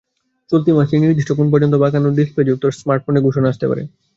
চলতি মাসেই নির্দিষ্ট কোণ পর্যন্ত বাঁকানো ডিসেপ্লযুক্ত স্মার্টফোনের ঘোষণা আসতে পারে।